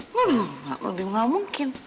waduh nggak mungkin